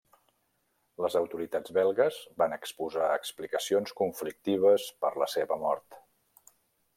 Les autoritats belgues van exposar explicacions conflictives per la seva mort.